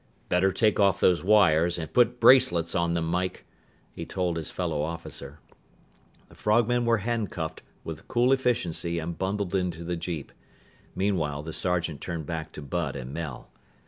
"Better take off those wires and put bracelets on them, Mike," he told his fellow officer. The frogmen were handcuffed with cool efficiency and bundled into the jeep. Meanwhile, the sergeant turned back to Bud and Mel.